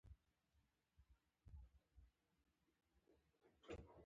دا هغه مېوې وې چې لویه برخه یې جوړه کړه.